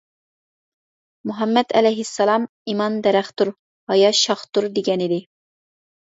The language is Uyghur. مۇھەممەت ئەلەيھىسسالام: «ئىمان دەرەختۇر، ھايا شاختۇر» دېگەنىدى.